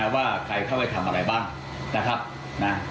ว่าใครเข้าให้ทำอะไรบ้าง